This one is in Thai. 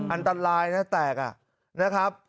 อันตรายนะแตกนะครับ